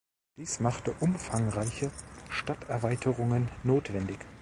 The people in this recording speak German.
Dies machte umfangreiche Stadterweiterungen notwendig.